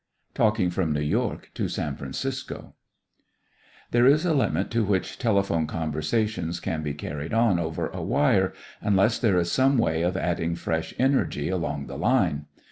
TALKING FROM NEW YORK TO SAN FRANCISCO There is a limit to which telephone conversations can be carried on over a wire, unless there is some way of adding fresh energy along the line.